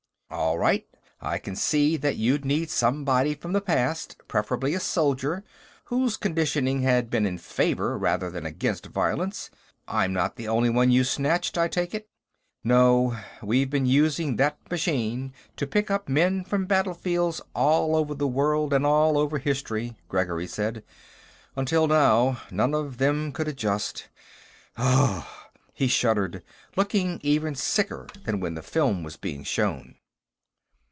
"All right. I can see that you'd need somebody from the past, preferably a soldier, whose conditioning has been in favor rather than against violence. I'm not the only one you snatched, I take it?" "No. We've been using that machine to pick up men from battlefields all over the world and all over history," Gregory said. "Until now, none of them could adjust.... Uggh!" He shuddered, looking even sicker than when the film was being shown.